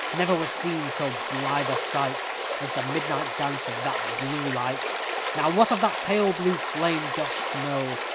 Never was seen so blithe a sight As the midnight dance of that blue light! Now what of that pale blue flame dost know?